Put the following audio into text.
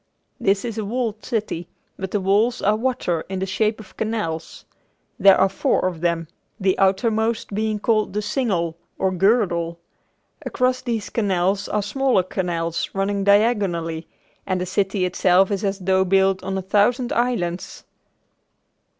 This is a walled city, but the walls are water in the shape of canals. There are four of them, the outermost being called the Single or "Girdle." Across these canals are smaller canals running diagonally and the city itself is as though built on a thousand islands.